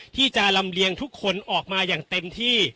ที่จะลำเลียงทุกคนออกมาอย่างเต็มที่